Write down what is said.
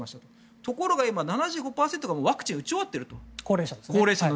ところが今、高齢者の７５％がワクチンを打ち終わっていると。